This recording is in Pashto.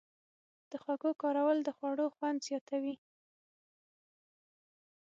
د خوږو کارول د خوړو خوند زیاتوي.